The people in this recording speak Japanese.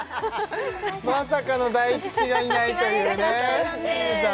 まさかの大吉がいないというね残念！